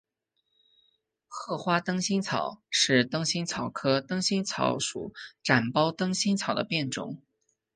褐花灯心草是灯心草科灯心草属展苞灯心草的变种。